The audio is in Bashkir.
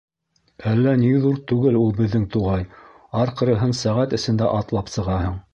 Әллә ни ҙур түгел ул беҙҙең туғай: арҡырыһын сәғәт эсендә атлап сығаһың.